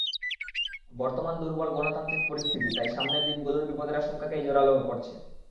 বর্তমান দুর্বল গণতান্ত্রিক পরিস্থিতি তাই সামনের দিনগুলোর বিপদের আশঙ্কাকেই জোরালো করছে।